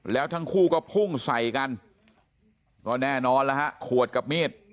แล้วทั้งคู่ก็พุ่งใส่กันก็แน่นอนแล้วฮะขวดกับมีด